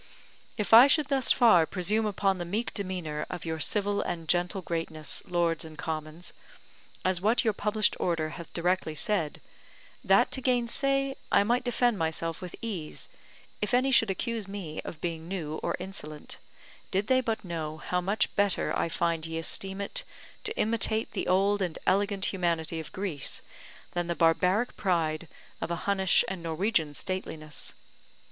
If I should thus far presume upon the meek demeanour of your civil and gentle greatness, Lords and Commons, as what your published Order hath directly said, that to gainsay, I might defend myself with ease, if any should accuse me of being new or insolent, did they but know how much better I find ye esteem it to imitate the old and elegant humanity of Greece, than the barbaric pride of a Hunnish and Norwegian stateliness.